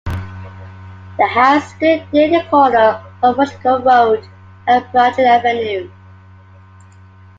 The house stood near the corner of Watchogue Road and Bradley Avenue.